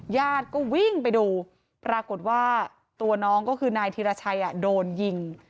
ญาติก็วิ่งไปดูปรากฏว่าตัวน้องก็คือนายธีรชัยโดนยิง